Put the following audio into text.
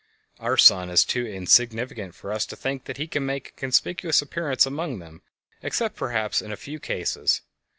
Our sun is too insignificant for us to think that he can make a conspicuous appearance among them, except, perhaps, in a few cases.